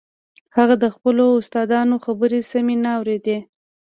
هغه د خپلو استادانو خبرې سمې نه اورېدې.